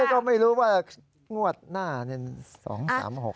ก็ไม่รู้ว่างวดหน้าเนี่ย๒๓๖